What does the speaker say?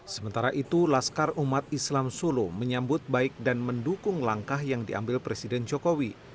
sementara itu laskar umat islam solo menyambut baik dan mendukung langkah yang diambil presiden jokowi